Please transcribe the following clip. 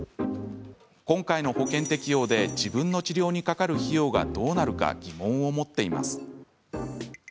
今回の保険適用で自分の治療にかかる費用がどうなるか疑問を持っています。